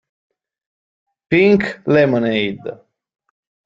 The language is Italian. Pink Lemonade